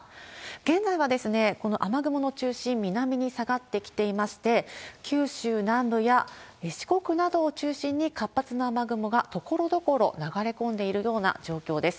現在は、この雨雲の中心、南に下がってきていまして、九州南部や四国などを中心に活発な雨雲がところどころ流れ込んでいるような状況です。